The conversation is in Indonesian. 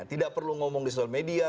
tidak perlu ngomong di soal media